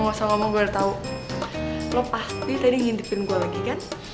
gak usah ngomong gue udah tau lo pasti tadi ngintipin gue lagi kan